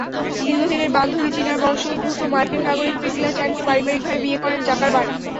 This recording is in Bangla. দীর্ঘদিনের বান্ধবী চীনা বংশোদ্ভূত মার্কিন নাগরিক প্রিসিলা চ্যানকে পারিবারিকভাবে বিয়ে করেন জাকারবার্গ।